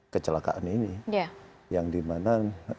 kecelakaan ini yang di mana